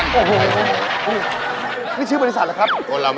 นี่ชื่อบริษัทหรอครับ